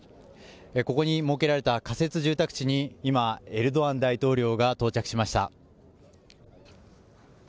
ここに設けられた仮設住宅地に今、エルドアン大統領が到着しました。